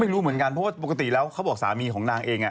ไม่รู้เหมือนกันเพราะว่าปกติแล้วเขาบอกสามีของนางเอง